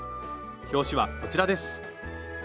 表紙はこちらです